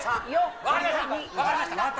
分かりました。